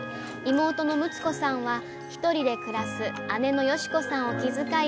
妹の睦子さんは１人で暮らす姉の良子さんを気遣い